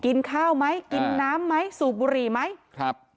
กินข้าวไหมกินน้ำไหมสูบบุหรี่ไหมครับ